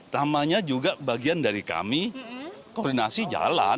namanya juga bagian dari kami koordinasi jalan